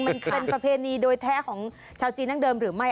มันเป็นประเพณีโดยแท้ของชาวจีนนั่งเดิมหรือไม่